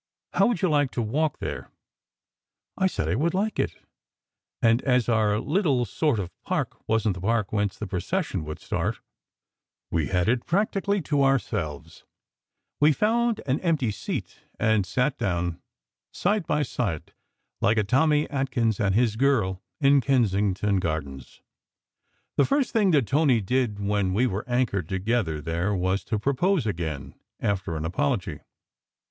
How would you like to walk there? " I said I would like it, and as our "little sort of" park wasn t the park whence the procession would start, we had it practically to ourselves. We found an empty seat and sat down side by side like a Tommy Atkins and his "girl" in Kensington Gardens. The first thing that Tony did when we were anchored to gether there was to propose again, after an apology.